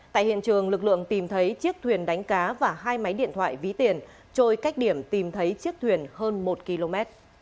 tại hiện trường lực lượng tìm thấy chiếc thuyền đánh cá và hai máy điện thoại ví tiền trôi cách điểm tìm thấy chiếc thuyền hơn một km